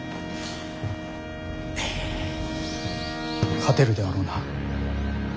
勝てるであろうな？